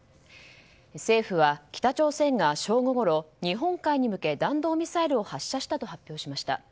政府は北朝鮮が正午ごろ日本海に向け、弾道ミサイルを発射したと発表しました。